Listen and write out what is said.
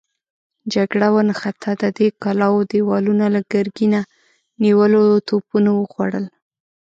جګړه ونښته، د دې کلاوو دېوالونه له ګرګينه نيولو توپونو وخوړل.